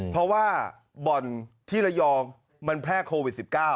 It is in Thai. เพราะว่าบ่อนที่ระยองมันแพร่โควิด๑๙